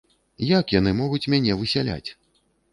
Як яны могуць мяне высяляць?